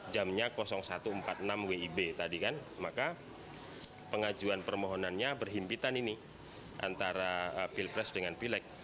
jamnya satu empat puluh enam wib tadi kan maka pengajuan permohonannya berhimpitan ini antara pilpres dengan pileg